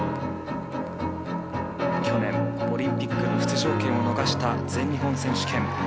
去年オリンピック出場権を逃した全日本選手権。